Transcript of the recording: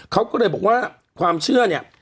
เขาก็เลยบอกว่าความเชื่อเนี่ย